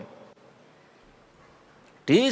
semua orang mebel tahu kapan kita harus pergi ke high point